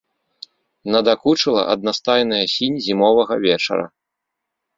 Надакучыла аднастайная сінь зімовага вечара.